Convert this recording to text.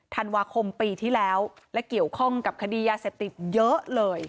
ธันวาคมปีที่แล้วและเกี่ยวข้องกับคดียาเสพติดเยอะเลย